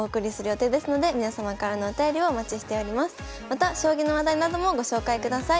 また将棋の話題などもご紹介ください。